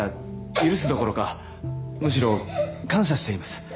許すどころかむしろ感謝しています